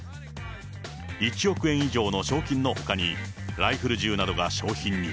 １億円以上の賞金のほかに、ライフル銃などが賞品に。